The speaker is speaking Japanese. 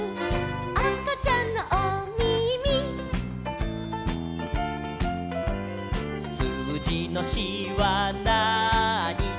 「あかちゃんのおみみ」「すうじの４はなーに」